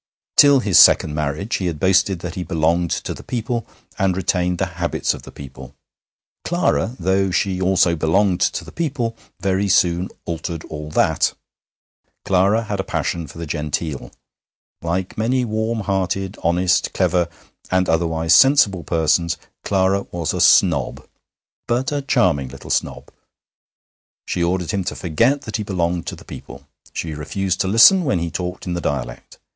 Till his second marriage he had boasted that he belonged to the people and retained the habits of the people. Clara, though she also belonged to the people, very soon altered all that. Clara had a passion for the genteel. Like many warm hearted, honest, clever, and otherwise sensible persons, Clara was a snob, but a charming little snob. She ordered him to forget that he belonged to the people. She refused to listen when he talked in the dialect.